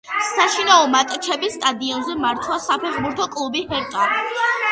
საშინაო მატჩებს სტადიონზე მართავს საფეხბურთო კლუბი „ჰერტა“.